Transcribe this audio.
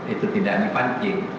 itu tidak hanya pancing